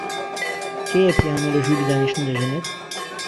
کێیە پیانۆ لە ژووری دانیشتن دەژەنێت؟